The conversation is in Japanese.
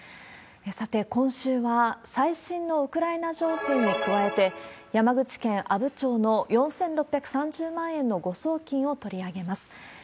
さて、今週は最新のウクライナ情勢に加えて、山口県阿武町の４６３０万円の誤送金を取り上げます。